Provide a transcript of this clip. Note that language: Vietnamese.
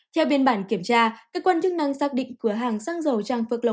theo biên bản kiểm tra cơ quan chức năng xác định cửa hàng xăng dầu trang phước lộc